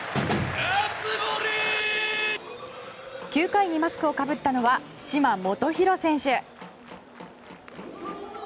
９回にマスクをかぶったのは嶋基宏選手。